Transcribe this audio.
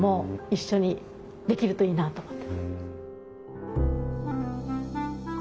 一緒にできるといいなと思ってます。